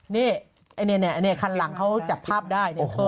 นี่คันหลังเขาจับภาพได้